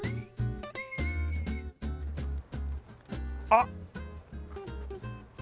あっ。